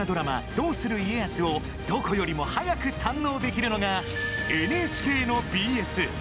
「どうする家康」をどこよりも早く堪能できるのがＮＨＫのＢＳ。